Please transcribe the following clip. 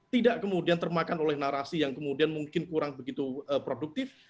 tidak kemudian termakan oleh narasi yang kemudian mungkin kurang begitu produktif